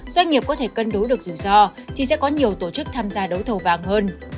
doanh nghiệp có thể cân đối được rủi ro thì sẽ có nhiều tổ chức tham gia đấu thầu vàng hơn